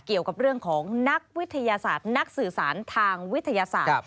เกี่ยวกับเรื่องของนักวิทยาศาสตร์นักสื่อสารทางวิทยาศาสตร์